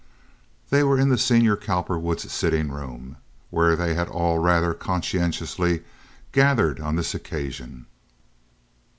They were in the senior Cowperwood's sitting room, where they had all rather consciously gathered on this occasion.